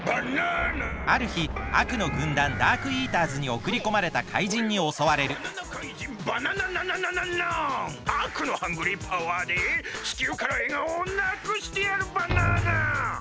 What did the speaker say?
あるひあくのぐんだんダークイーターズにおくりこまれた怪人におそわれるあくのハングリーパワーで地球からえがおをなくしてやるバナナ！